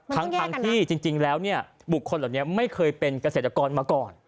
ทั้งที่จริงแล้วเนี่ยบุคคลเหล่านี้ไม่เคยเป็นเกษตรกรมาก่อน